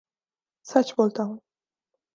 سچ بولتا ہوں